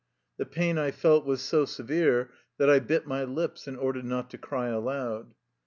The pain I felt was so severe that I bit my lips in order not to cry aloud.